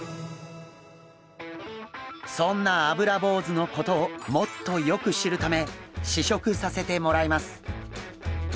そんなアブラボウズのことをもっとよく知るため試食させてもらいます。